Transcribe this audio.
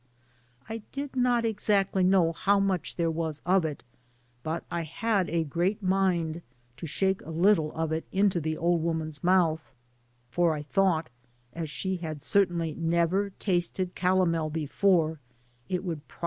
I did not exactly know how Inuch there was of it, but I had a great mind to shake a little of it into the old woman's mouth, for I thought (as she had certainly never tasted calc^el before) it would pro Digitized byGoogk THB PAMPAS. 10?